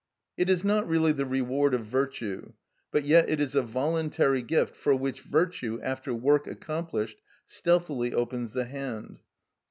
It is not really the reward of virtue, but yet it is a voluntary gift for which virtue, after work accomplished, stealthily opens the hand.